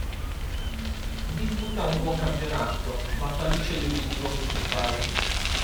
Disputa un buon campionato, ma fallisce l'obiettivo principale.